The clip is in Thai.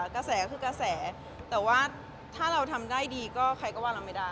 กระแสคือกระแสแต่ว่าถ้าเราทำได้ดีก็ใครก็ว่าเราไม่ได้